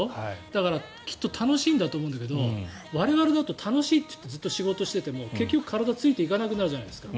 だから、きっと楽しいんだと思うけど我々だって楽しいって言ってずっと仕事してても結局体がついていかなくなるじゃないですか。